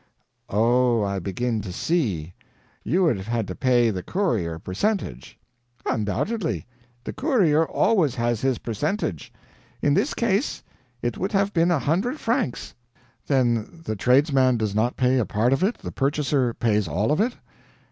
"Oh, I begin to see. You would have had to pay the courier a percentage." "Undoubtedly. The courier always has his percentage. In this case it would have been a hundred francs." "Then the tradesman does not pay a part of it the purchaser pays all of it?"